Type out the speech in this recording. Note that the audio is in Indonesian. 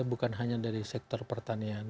bukan hanya dari sektor pertanian